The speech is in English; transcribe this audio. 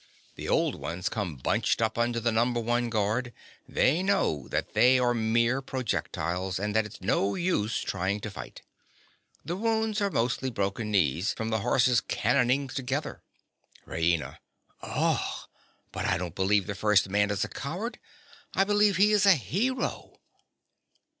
The old ones come bunched up under the number one guard: they know that they are mere projectiles, and that it's no use trying to fight. The wounds are mostly broken knees, from the horses cannoning together. RAINA. Ugh! But I don't believe the first man is a coward. I believe he is a hero!